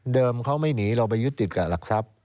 เขาไม่หนีเราไปยึดติดกับหลักทรัพย์